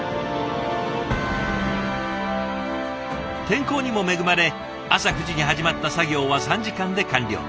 天候にも恵まれ朝９時に始まった作業は３時間で完了。